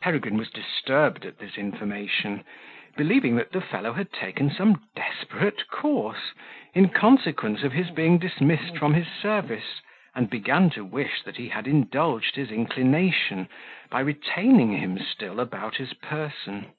Peregrine was disturbed at this information, believing that the fellow had taken some desperate course, in consequence of his being dismissed from his service, and began to wish that he had indulged his inclination, by retaining him still about his person.